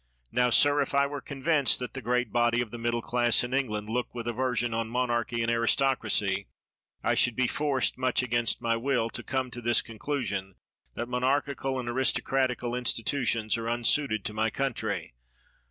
Now, sir, if I were convinced that the great body of the middle class in England look with aversion on monarchy and aristocracy, I should be forced, much against my will, to come to this conclusion that monarchical and aristocratical institutions are unsuited to my country.